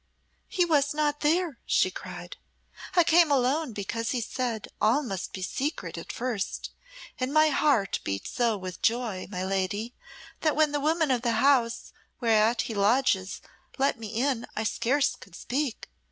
"He was not there!" she cried. "I came alone because he said all must be secret at first; and my heart beat so with joy, my lady, that when the woman of the house whereat he lodges let me in I scarce could speak.